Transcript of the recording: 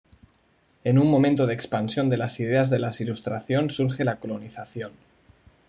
En un momento de expansión de las ideas de las ilustración surge la colonización.